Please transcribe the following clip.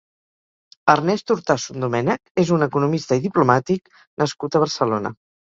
Ernest Urtasun Domènech és un economista i diplomàtic nascut a Barcelona.